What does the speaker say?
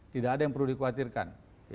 tidak ada yang perlu dikhawatirkan